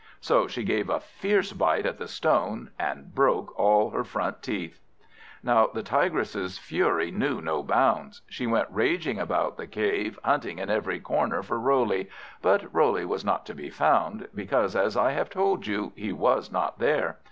So she gave a fierce bite at the stone, and broke all her front teeth. Now the Tigress' fury knew no bounds. She went raging about the cave, hunting in every corner for Roley; but Roley was not to be found, because, as I have told you, he was not there.